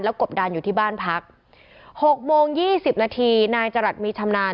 กบดานอยู่ที่บ้านพัก๖โมง๒๐นาทีนายจรัสมีชำนาญ